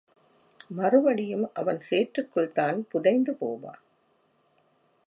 மறுபடியும் அவன் சேற்றுக்குள் தான் புதைந்து போவான்.